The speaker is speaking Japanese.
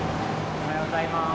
おはようございます。